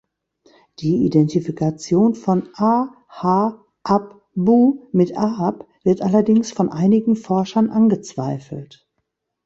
Die Identifikation von A-ha-ab-bu mit Ahab wird allerdings von einigen Forschern angezweifelt.